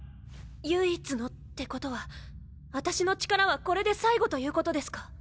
「唯一の」ってことは私の力はこれで最後ということですか？